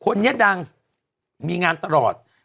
คนนี้ดังมีงานตลอด